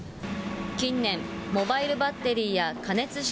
近年、モバイルバッテリーや加熱式